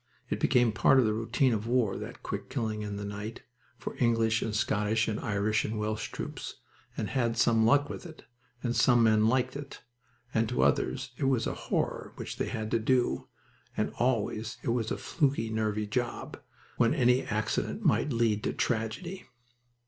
It became part of the routine of war, that quick killing in the night, for English and Scottish and Irish and Welsh troops, and some had luck with it, and some men liked it, and to others it was a horror which they had to do, and always it was a fluky, nervy job, when any accident might lead to tragedy.